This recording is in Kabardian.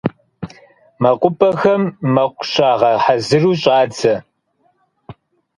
МэкъупӀэхэм мэкъу щагъэхьэзыру щӀадзэ.